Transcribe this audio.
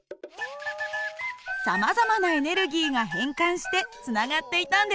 さまざまなエネルギーが変換してつながっていたんですね。